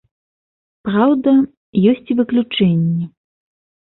Праўда ёсць і выключэнні.